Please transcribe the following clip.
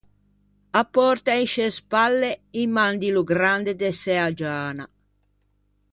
A pòrta in scê spalle un mandillo grande de sæa giana.